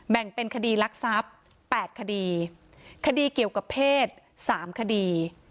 แบ่งเป็นคดีลักษัพแปดคดีคดีเกี่ยวกับเพศสามคดี